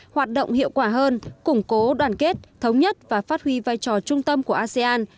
hoạt động hiệu quả hơn củng cố đoàn kết thống nhất và phát huy vai trò trung tâm của asean